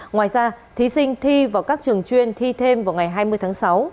ngoài ra thí sinh thi vào các trường chuyên thi thêm vào ngày hai mươi tháng sáu